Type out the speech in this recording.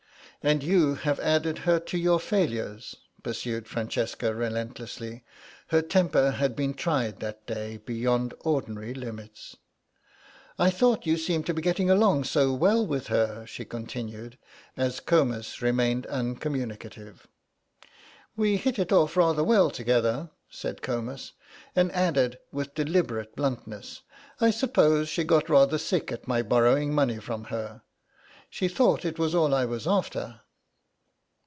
"And you have added her to your other failures," pursued Francesca, relentlessly; her temper had been tried that day beyond ordinary limits. "I thought you seemed getting along so well with her," she continued, as Comus remained uncommunicative. "We hit it off rather well together," said Comus, and added with deliberate bluntness, "I suppose she got rather sick at my borrowing money from her. She thought it was all I was after."